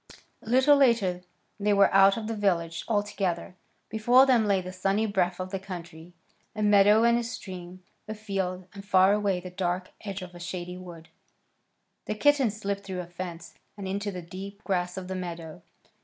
A little later they were out of the village altogether. Before them lay the sunny breadth of the country, a meadow and a stream, a field, and far away the dark edge of a shady wood. The kittens slipped through a fence and into the deep grass of the meadow.